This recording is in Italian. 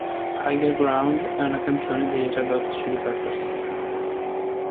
Higher Ground è una canzone dei Red Hot Chili Peppers.